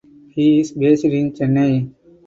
He is based in Chennai.